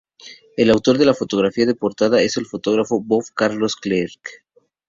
El autor de la fotografía de portada es el fotógrafo Bob Carlos Clarke.